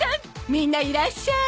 みんないらっしゃい